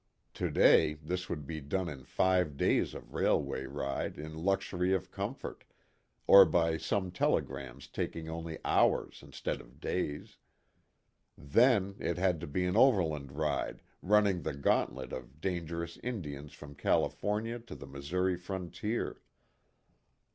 To day this would be done in five days of railway ride in luxury of comfort, or by some telegrams taking only hours instead of days. Then it had to be an overland ride running the gauntlet of dangerous Indians from California to the Missouri frontier.